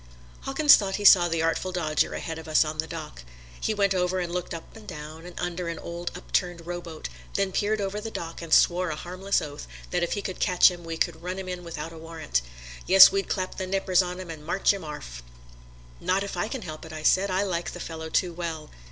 Hawkins thought he saw the Artful Dodger ahead of us on the dock. He went over and looked up and down and under an old upturned rowboat, then peered over the dock and swore a harmless oath that if we could catch him we would run him in without a warrant. Yes, we'd clap the nippers on 'im and march 'im orf. "Not if I can help it," I said; "I like the fellow too well."